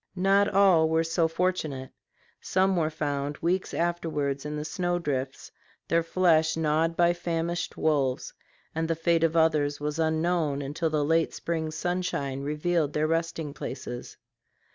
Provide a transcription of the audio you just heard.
Not all were so fortunate. Some were found weeks afterwards in the snow drifts, their flesh gnawed by famished wolves; and the fate of others was unknown until the late spring sunshine revealed their resting places.